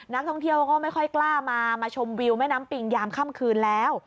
นักท่องเที่ยวก็ไม่ค่อยกล้ามามาชมวิวแม่น้ำปิงยามค่ำคืนแล้ว